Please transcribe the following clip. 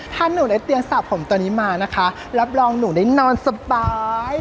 ถ้าหนูได้เตียงสระผมตัวนี้มานะคะรับรองหนูได้นอนสบาย